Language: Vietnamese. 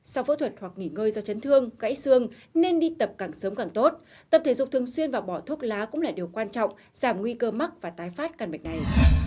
sau phẫu thuật hoặc nghỉ ngơi do chấn thương gãy xương nên đi tập càng sớm càng tốt tập thể dục thường xuyên và bỏ thuốc lá cũng là điều quan trọng giảm nguy cơ mắc và tái phát căn bệnh này